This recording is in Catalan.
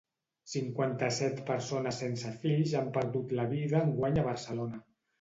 Cinquanta-set persones sense fills han perdut la vida enguany a Barcelona.